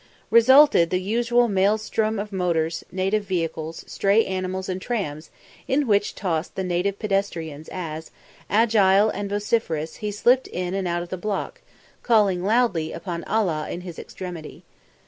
Resulted the usual maelstrom of motors, native vehicles, stray animals and trams, in which tossed the native pedestrian as, agile and vociferous, he slipped in and out of the block, calling loudly upon Allah in his extremity.